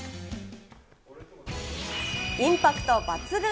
インパクト抜群！